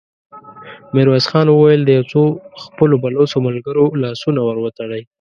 ميرويس خان وويل: د يو څو خپلو بلوڅو ملګرو لاسونه ور وتړئ!